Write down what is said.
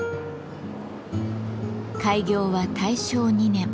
開業は大正２年。